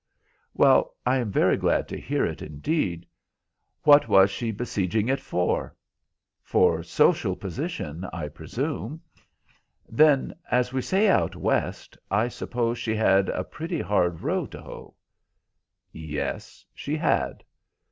"Well, I am very glad to hear it, indeed. What was she besieging it for?" "For social position, I presume. "Then, as we say out West, I suppose she had a pretty hard row to hoe?" "Yes, she had."